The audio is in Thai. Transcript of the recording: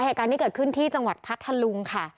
เหตุการณ์นี้เกิดขึ้นที่จังหวัดพัทธลุงค่ะ